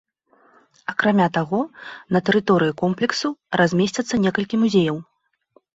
Акрамя таго, на тэрыторыі комплексу размесцяцца некалькі музеяў.